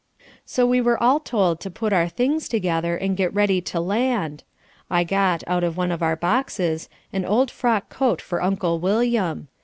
So we were all told to put our things together and get ready to land. I got, out of one of our boxes, an old frock coat for Uncle William.